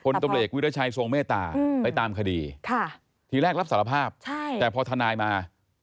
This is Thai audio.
ตำรวจเอกวิรัชัยทรงเมตตาไปตามคดีทีแรกรับสารภาพแต่พอทนายมา